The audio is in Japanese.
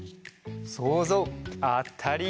そうぞうあったり。